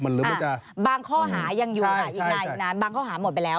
บางข้อหายังอยู่อีกนานบางข้อหาหมดไปแล้ว